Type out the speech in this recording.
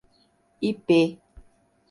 Ipê